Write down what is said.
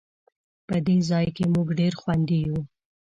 په دې ځای کې مونږ ډېر خوندي یو